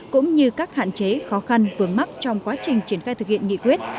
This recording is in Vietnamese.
cũng như các hạn chế khó khăn vừa mắc trong quá trình triển khai thực hiện nghị quyết